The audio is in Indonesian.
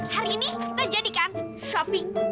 hari ini kita jadikan shopping